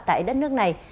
tại đất nước này